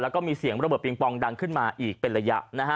แล้วก็มีเสียงระเบิดปิงปองดังขึ้นมาอีกเป็นระยะนะฮะ